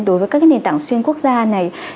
đối với các nền tảng xuyên quốc gia này